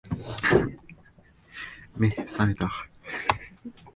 目、さめた？